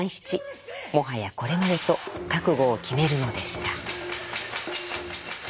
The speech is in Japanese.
もはやこれまでと覚悟を決めるのでした。